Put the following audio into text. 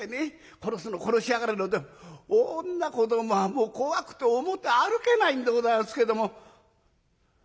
殺すの殺しやがれのと女子どもはもう怖くて表歩けないんでございますけども。